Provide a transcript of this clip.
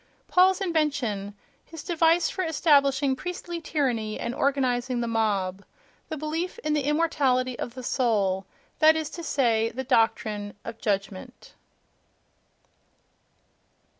Paul's invention, his device for establishing priestly tyranny and organizing the mob: the belief in the immortality of the soul—that is to say, the doctrine of "judgment"....